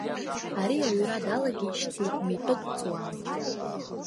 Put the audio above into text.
Ари аҩра далагеижьҭеи митәык ҵуам.